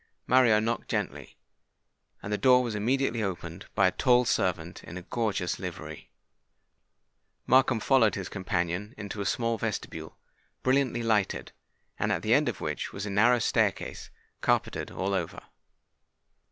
Mario knocked gently; and the door was immediately opened by a tall servant in a gorgeous livery. Markham followed his companion into a small vestibule, brilliantly lighted, and at the end of which was a narrow staircase carpetted all over.